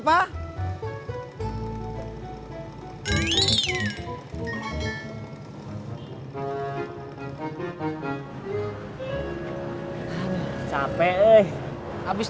beberapa hari lagi